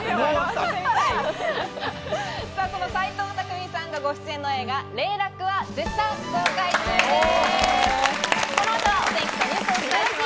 斎藤工さんがご出演の映画『零落』は絶賛公開中です。